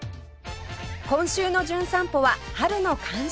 今週の『じゅん散歩』は春の感謝祭